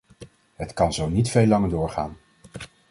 Het kan zo niet veel langer doorgaan.